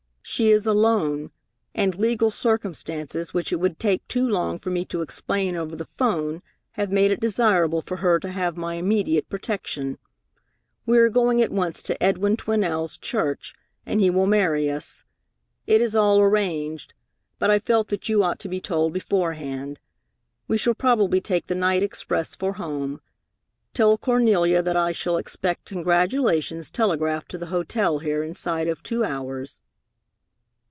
She is alone, and legal circumstances which it would take too long for me to explain over the 'phone have made it desirable for her to have my immediate protection. We are going at once to Edwin Twinell's church, and he will marry us. It is all arranged, but I felt that you ought to be told beforehand. We shall probably take the night express for home. Tell Cornelia that I shall expect congratulations telegraphed to the hotel here inside of two hours."